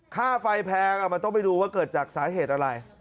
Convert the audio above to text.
ค่าไฟแพงมันต้องไปดูว่าเกิดจากสาเหตุอะไร